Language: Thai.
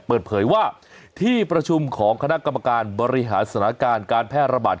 เปิดเผยว่าที่ประชุมของคณะกรรมการบริหารสถานการณ์การแพร่ระบาด